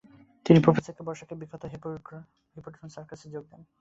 তিনি professor K বসাকের বিশ্ববিখ্যাত হিপোড্রোম সার্কাসে যোগ দেন।